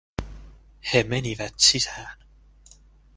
He menivät sisään.